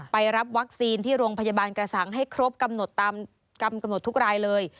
ไปรับวัคซีนที่โรงพยาบาลกระสังให้ครบกำหนดตามกำหนดทุกรายเลย